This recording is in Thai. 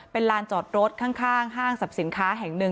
เป็นลานจอดรถข้างห้างสรรพสินค้าแห่งหนึ่ง